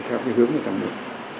theo cái hướng người ta mở